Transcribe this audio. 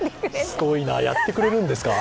すごいな、やってくれるんですか？